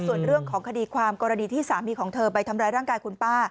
ส่วนเรื่องของคดีความกรณีที่สามีของเธอไปทำร้ายร่างกายคุณป้า